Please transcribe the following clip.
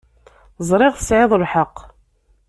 Ẓriɣ tesɛiḍ lḥeqq.